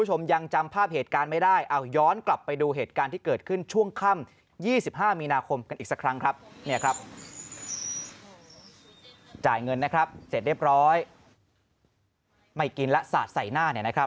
เสร็จเรียบร้อยไม่กินแล้วสาดใส่หน้านะครับ